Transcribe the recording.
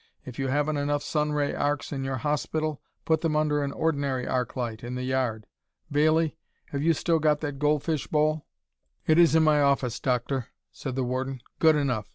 If you haven't enough sun ray arcs in your hospital, put them under an ordinary arc light in the yard. Bailley, have you still got that goldfish bowl?" "It is in my office, Doctor," said the warden. "Good enough!